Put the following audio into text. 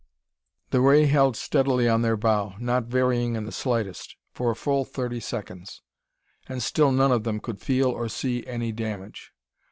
The ray held steadily on their bow, not varying in the slightest, for a full thirty seconds. And still none of them could feel or see any damage.